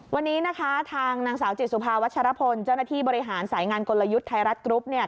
วันนี้นะคะทางนางสาวจิตสุภาวัชรพลเจ้าหน้าที่บริหารสายงานกลยุทธ์ไทยรัฐกรุ๊ปเนี่ย